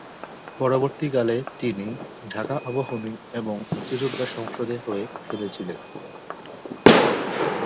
পরবর্তীকালে, তিনি ঢাকা আবাহনী এবং মুক্তিযোদ্ধা সংসদের হয়ে খেলেছিলেন।